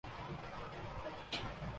جہنم کا جو نقشہ قرآن پاک میں پیش کیا گیا ہے